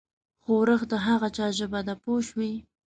ښورښ د هغه چا ژبه ده پوه شوې!.